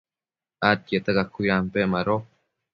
adquiecta cacuidampec mado